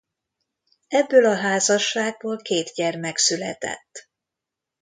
Ebből a házasságból két gyermek született.